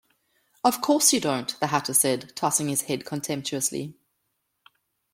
‘Of course you don’t!’ the Hatter said, tossing his head contemptuously.